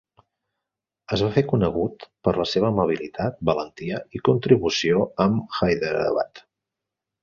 Es va fer conegut per la seva amabilitat, valentia i contribució amb Hyderabad.